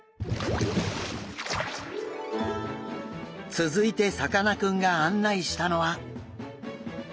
続いてさかなクンが案内したのは。